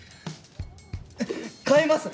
買います！